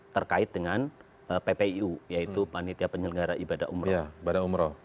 terkait dengan ppu yaitu panitia penyelenggara ibadah umroh